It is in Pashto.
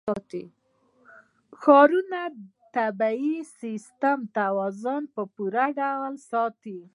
ښارونه د طبعي سیسټم توازن په پوره ډول ساتي.